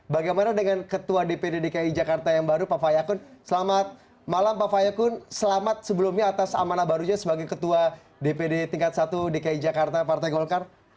bagaimana dengan ketua dpd dki jakarta yang baru pak fayakun selamat malam pak fayakun selamat sebelumnya atas amanah barunya sebagai ketua dpd tingkat satu dki jakarta partai golkar